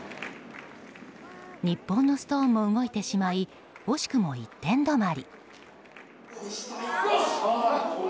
日本のストーンも動いてしまい惜しくも１点止まり。